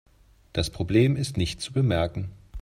Das Problem ist nicht zu bemerken.